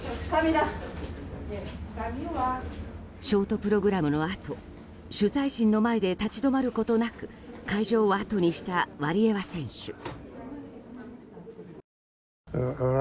ショートプログラムのあと取材陣の前で立ち止まることなく会場を後にしたワリエワ選手。